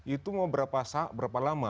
itu mau berapa saat berapa lama